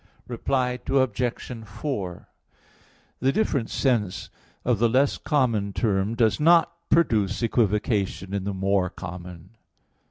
Reply Obj. 4: The different sense of the less common term does not produce equivocation in the more common.